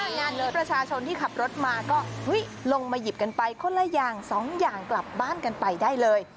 งานนี้ประชาชนที่ขับรถมาก็ลงมาหยิบกันไปคนละอย่างสองอย่างกลับบ้านกันไปได้เลย